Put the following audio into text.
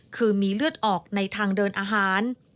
คือมีเลือดออกในทางเดินอาหาร